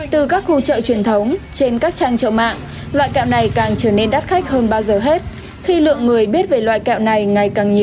từ các khu chợ truyền thống trên các trang trợ mạng loại kẹo này càng trở nên đắt khách hơn bao giờ hết khi lượng người biết về loại kẹo này ngày càng nhiều